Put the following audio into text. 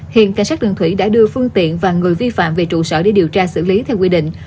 hiện cảnh sát đường thủy đã đưa phương tiện và người vi phạm về trụ sở để điều tra xử lý theo quy định